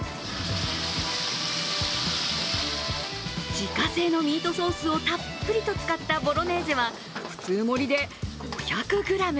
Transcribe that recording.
自家製のミートソースをたっぷりと使ったボロネーゼは普通盛りで５００ｇ。